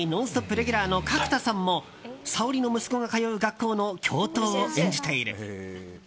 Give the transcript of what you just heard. レギュラーの角田さんも早織の息子が通う学校の教頭を演じている。